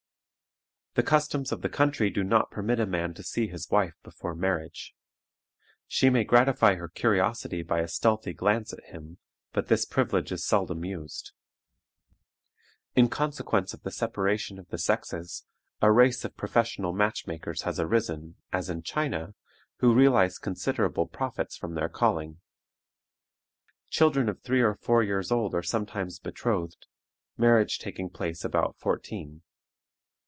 The customs of the country do not permit a man to see his wife before marriage. She may gratify her curiosity by a stealthy glance at him, but this privilege is seldom used. In consequence of the separation of the sexes, a race of professional match makers has arisen, as in China, who realize considerable profits from their calling. Children of three or four years old are sometimes betrothed, marriage taking place about fourteen.